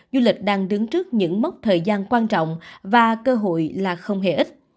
du lịch đang đứng trước những mốc thời gian quan trọng và cơ hội là không hề ít